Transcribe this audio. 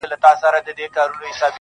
سیاه پوسي ده، افغانستان دی.